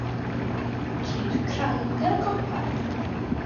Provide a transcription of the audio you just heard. Ceir craig ar y copa.